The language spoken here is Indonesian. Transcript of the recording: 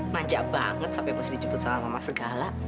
manja banget sampai mesti dijemput sama mama segala